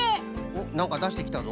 なんかだしてきたぞ。